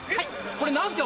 これ何すか？